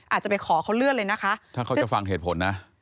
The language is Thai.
อาจจะไปขอเขาเลื่อนเลยนะคะถ้าเขาจะฟังเหตุผลนะ